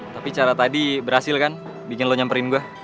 tapi cara tadi berhasil kan bikin lo nyamperin gue